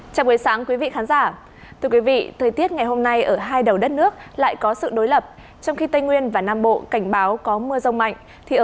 chào mừng quý vị đến với bộ phim hãy nhớ like share và đăng ký kênh của chúng mình nhé